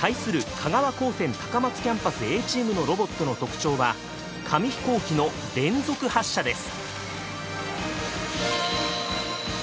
香川高専高松キャンパスＡチームのロボットの特徴は紙飛行機の連続発射です。